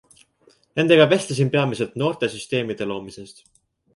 Nendega vestlesin peamiselt noortesüsteemide loomisest.